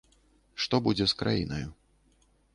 Што будзе з краінаю.